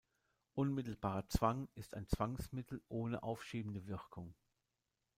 Unmittelbarer Zwang ist ein Zwangsmittel ohne aufschiebende Wirkung.